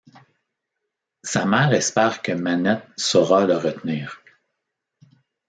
Sa mère espère que Manette saura le retenir.